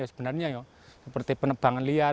sebenarnya ya seperti penebangan liar